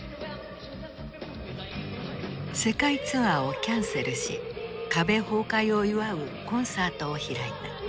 世界ツアーをキャンセルし壁崩壊を祝うコンサートを開いた。